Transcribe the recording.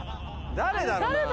誰だろうな？